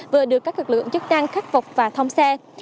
vừa được các lực lượng chức năng khắc phục và thông xe